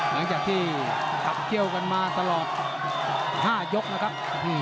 หลังจากที่ขับเกี่ยวกันมาตลอด๕ยกนะครับ